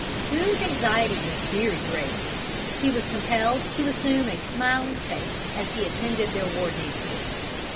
Boone's anxiety was very great. He was compelled to assume a smiling face as he attended their war dances.